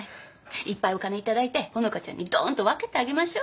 いっぱいお金頂いてほのかちゃんにどーんと分けてあげましょう。